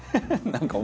何？